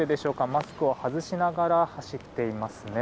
マスクを外しながら走っていますね。